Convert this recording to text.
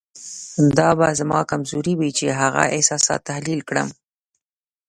دا به زما کمزوري وي چې هغه احساسات تحلیل کړم.